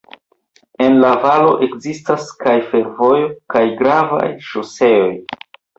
En la valo ekzistas kaj fervojo kaj gravaj ŝoseoj.